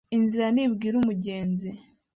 Inzira ntibwira umugenzi.